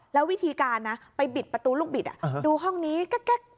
แล้ววิธีการนะไปบิดประตูลูกบิดดูห้องนี้แก๊ก